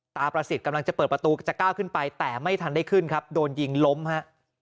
ประสิทธิ์กำลังจะเปิดประตูจะก้าวขึ้นไปแต่ไม่ทันได้ขึ้นครับโดนยิงล้มฮะ